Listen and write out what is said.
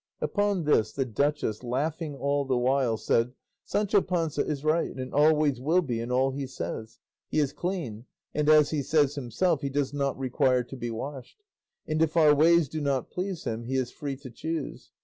Upon this, the duchess, laughing all the while, said, "Sancho Panza is right, and always will be in all he says; he is clean, and, as he says himself, he does not require to be washed; and if our ways do not please him, he is free to choose.